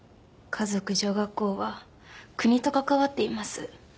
華族女学校は国と関わっています。